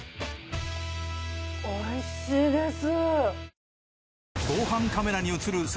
おいしいです。